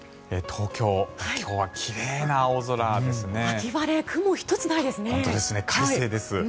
東京、今日は奇麗な青空ですね。